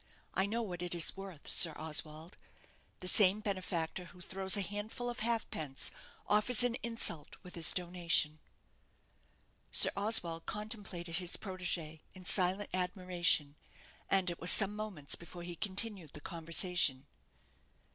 I know what it is worth, Sir Oswald. The same benefactor who throws a handful of half pence, offers an insult with his donation." Sir Oswald contemplated his protégée in silent admiration, and it was some moments before he continued the conversation.